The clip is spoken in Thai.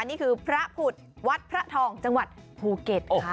นี่คือพระผุดวัดพระทองจังหวัดภูเก็ตค่ะ